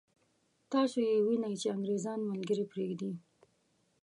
تاسو یې وینئ چې انګرېزان ملګري پرېږدي.